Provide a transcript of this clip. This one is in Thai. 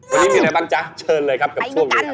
วันนี้มีอะไรบ้างจ๊ะเชิญเลยครับกับช่วงนี้ครับ